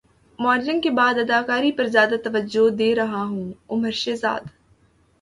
modelling کے بعد اداکاری پر زیادہ توجہ دے رہا ہوں عمر شہزاد